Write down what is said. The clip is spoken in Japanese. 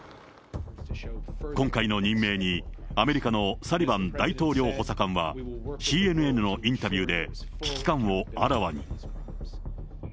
今回の任命にアメリカのサリバン大統領補佐官は、ＣＮＮのインタビューで危機感をあらわに。